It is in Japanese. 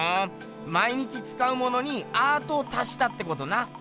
毎日つかうものにアートを足したってことな。